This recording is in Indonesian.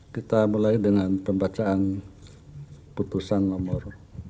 kita mulai dengan pembacaan putusan nomor dua puluh empat